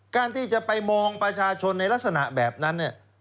การที่จะไปมองประชาชนในลักษณะแบบนั้นเนี่ย